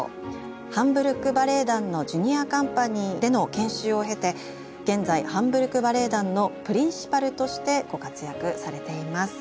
ハンブルク・バレエ団のジュニアカンパニーでの研修を経て現在ハンブルク・バレエ団のプリンシパルとしてご活躍されています。